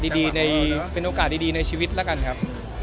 ใช่ก็เรียกว่าเป็นโอกาสดีในชีวิตละกันครับ